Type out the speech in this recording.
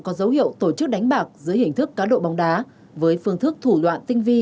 có dấu hiệu tổ chức đánh bạc dưới hình thức cá độ bóng đá với phương thức thủ đoạn tinh vi